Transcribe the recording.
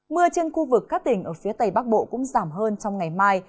mưa trên khu vực các tỉnh ở phía tây bắc bộ cũng giảm hơn trong ngày mai